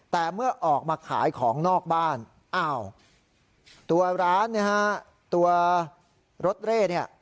แต่เมื่อออกมาขายของนอกบ้านตัวร้านตัวรถเร่